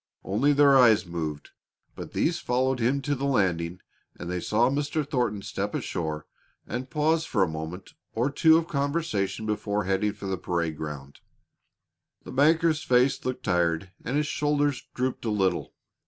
Only their eyes moved, but these followed him to the landing and they saw Mr. Thornton step ashore and pause for a moment or two of conversation before heading for the parade ground. The banker's face looked tired and his shoulders drooped a little.